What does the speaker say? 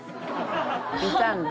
いたんで。